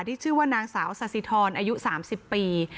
ที่ชื่อว่านางสาวสาสิทรอายุสามสิบปี